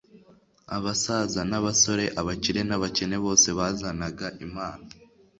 Abasaza n'abasore, abakire n'abakene bose bazanaga impano,